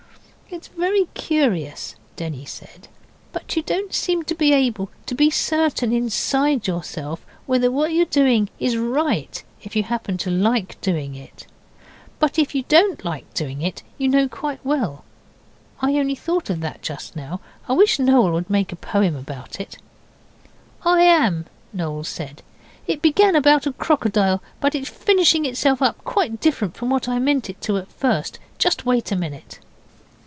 'It's very curious,' Denny said, 'but you don't seem to be able to be certain inside yourself whether what you're doing is right if you happen to like doing it, but if you don't like doing it you know quite well. I only thought of that just now. I wish Noel would make a poem about it.' 'I am,' Noel said; 'it began about a crocodile but it is finishing itself up quite different from what I meant it to at first. Just wait a minute.